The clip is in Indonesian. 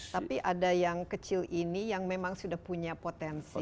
tapi ada yang kecil ini yang memang sudah punya potensi